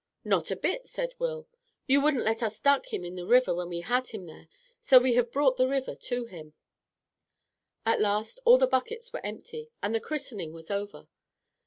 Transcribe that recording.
"Not a bit," said Will. "You wouldn't let us duck him in the river when we had him there so we have brought the river to him." At last all the buckets were empty, and the christening was over.